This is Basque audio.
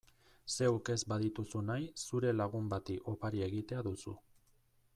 Zeuk ez badituzu nahi zure lagun bati opari egitea duzu.